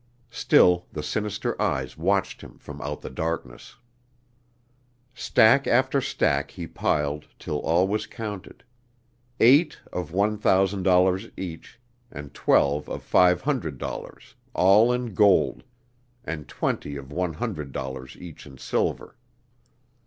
Still the sinister eyes watched him from out the darkness! Stack after stack he piled till all was counted eight of one thousand dollars each, and twelve of five hundred dollars, all in gold; and twenty of one hundred dollars each in silver.